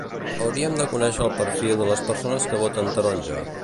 Hauríem de conèixer el perfil de les persones que voten "taronja".